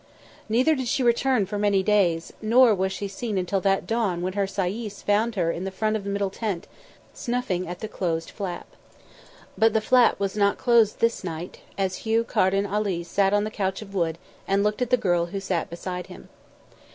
Neither did she return for many days; nor was she seen until that dawn when her sayis found her in front of the middle tent, snuffing at the closed flap. But the flap was not closed this night, as Hugh Carden Ali sat on the couch of wood and looked at the girl who sat beside him.